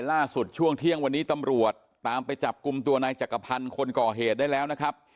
ช่วงเที่ยงวันนี้ตำรวจตามไปจับกลุ่มตัวนายจักรพันธ์คนก่อเหตุได้แล้วนะครับ